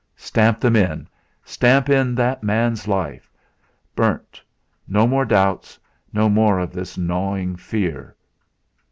Stamp them in! Stamp in that man's life! Burnt! No more doubts, no more of this gnawing fear!